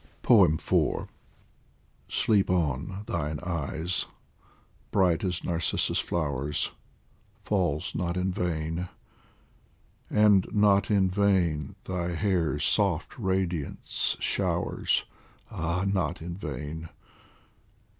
IV SLEEP on thine eyes, bright as narcissus flowers, Falls not in vain ! And not in vain thy hair's soft radiance showers Ah, not in vain